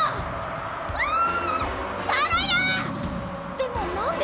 でもなんで？